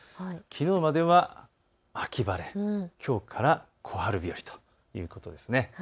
きのうまでは秋晴れ、きょうから小春日和ということです。